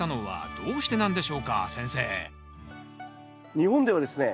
日本ではですね